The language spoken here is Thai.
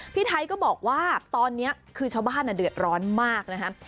พี่ไทยก็บอกว่าตอนนี้คือชาวบ้านเดือดร้อนมากนะครับ